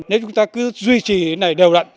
nếu chúng ta cứ duy trì này đều lận